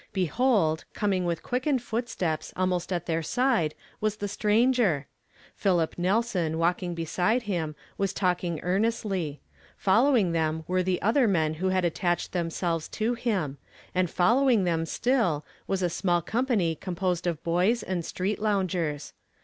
Jiehold, coming with quickened footsteps almost at their side was the stranger. Philip Nelson walking beside him was talking earnestly ; following them were the other men who had attached themselves to him, and following them, still, was a small company composed ol boys and street loungers.